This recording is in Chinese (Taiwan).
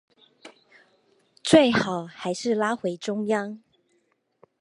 最好還是拉回中央